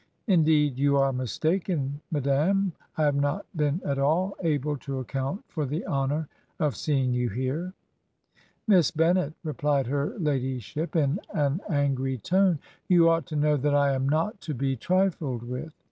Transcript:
'Indeed, you are mistaken, madam; I have not been at all able to account for the honor of seeing you here.' 'Miss Bennet,' replied her ladyship in an angry tone, 'you ought to know that I am not to be * trifled with.